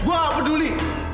gue gak peduli